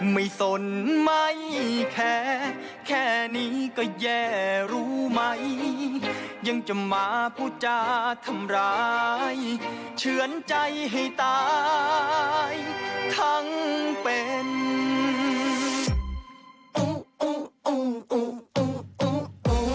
สนไม่แคร์แค่นี้ก็แย่รู้ไหมยังจะมาพูดจาทำร้ายเฉือนใจให้ตายทั้งเป็นอุ